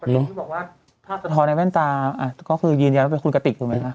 บอกว่าผ้าสะท้อนในแว่นตาอ่ะก็คือยีนยันเป็นคุณกติกใช่ไหม